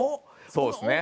そうですね。